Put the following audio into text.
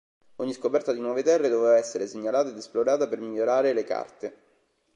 Ogni scoperta di nuove terre doveva essere segnalata ed esplorata per migliorare le carte.